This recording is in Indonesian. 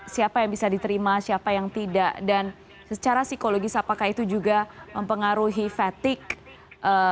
siapa yang bisa diterima siapa yang tidak dan secara psikologis apakah itu juga mempengaruhi fatigue